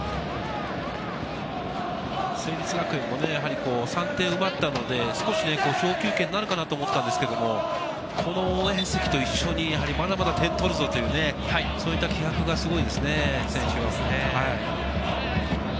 成立学園もやはり３点を奪ったので少し小休憩になるかなと思ったんですけど、この応援席と一緒に、まだまだ点取るぞというそういう気迫がすごいですね。